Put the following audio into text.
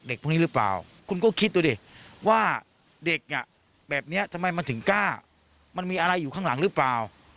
พวกนี้หรือเปล่าคุณก็คิดดูดิว่าเด็กอ่ะแบบนี้ทำไมมันถึงกล้ามันมีอะไรอยู่ข้างหลังหรือเปล่า